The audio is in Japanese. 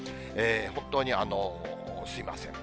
本当にすみません。